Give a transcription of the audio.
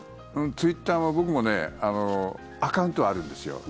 ツイッターは僕もアカウントはあるんですよ。